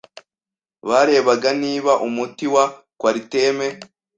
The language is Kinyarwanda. Barebaga niba umuti wa Coartem